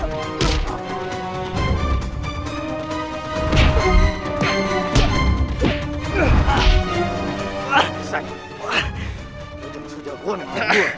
bisa jauh menang sujarwo nih buat gue